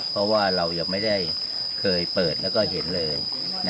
เพราะว่าเรายังไม่ได้เคยเปิดแล้วก็เห็นเลย